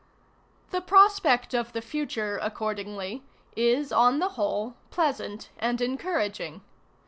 The prospect of the future, accordingly, is on the whole pleasant and encouraging.